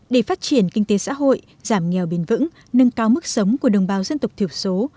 để phát triển kinh tế xã hội giảm nghèo bền vững nâng cao mức sống của đồng bào dân tộc thiểu số